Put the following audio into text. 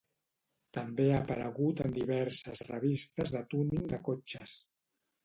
També ha aparegut en diverses revistes de túning de cotxes.